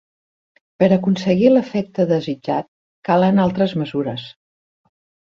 Per aconseguir l'efecte desitjat, calen altres mesures.